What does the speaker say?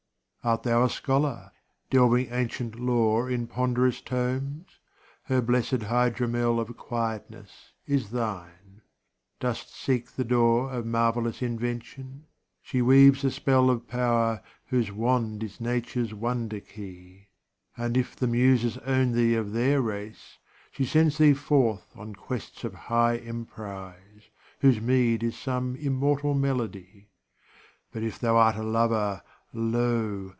Art thou a scholar, delving ancient lore In ponderous tomes? Her blessed hydromel Of quietness is thine. Dost seek the door Of marvelous Invention? She weaves a spell Of power whose wand is Nature's wonder key. And if the Muses own thee of their race, She sends thee forth on quests of high emprise, Whose meed is some immortal melody; But if thou art a lover, lo